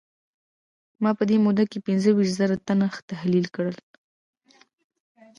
ما په دې موده کې پينځه ويشت زره تنه تحليل کړل.